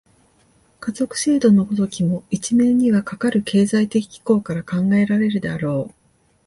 家族制度の如きも、一面にはかかる経済的機構から考えられるであろう。